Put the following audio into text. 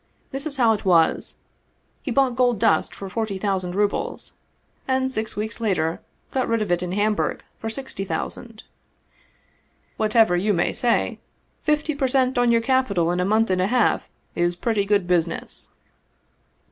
This is how it was: He bought gold dust for forty thousand rubles, and six weeks later got rid of it in Hamburg for sixty thousand. Whatever you may say, fifty per cent on your capital in a month and a half is pretty good business."